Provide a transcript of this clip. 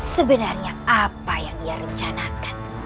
sebenarnya apa yang ia rencanakan